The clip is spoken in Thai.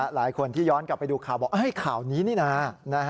หลายคนที่ย้อนกลับไปดูข่าวบอกข่าวนี้นี่นะ